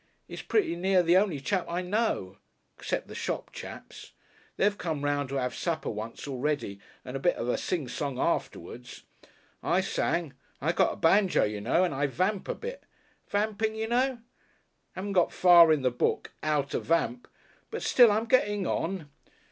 'E's pretty near the on'y chap I know. Except the shop chaps. They've come round to 'ave supper once already and a bit of a sing song afterwards. I sang. I got a banjo, you know, and I vamp a bit. Vamping you know. Haven't got far in the book 'Ow to Vamp but still I'm getting on.